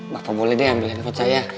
bapak boleh deh ambil info saya